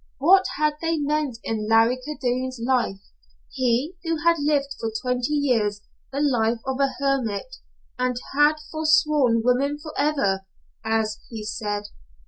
What had they meant in Larry Kildene's life, he who had lived for twenty years the life of a hermit, and had forsworn women forever, as he said?